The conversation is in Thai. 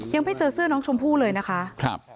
ยังไม่เจอเสื้อน้องชมพู่เลยนะคะ